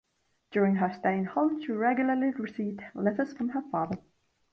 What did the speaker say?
During her stay in Holland she regularly received letters from her father.